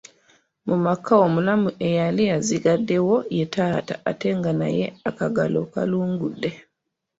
Mu maka omulamu eyali asigaddewo ye taata ate nga naye akagalo kalungudde.